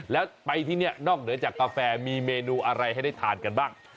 แล้วไปที่นี่นอกเหนือจากกาแฟมีเมนูอะไรให้ได้ทานกันบ้าง